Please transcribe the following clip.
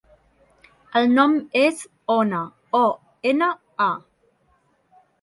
El nom és Ona: o, ena, a.